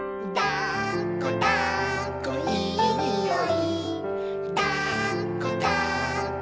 「だっこだっこいいにおい」